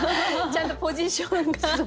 ちゃんとポジションが。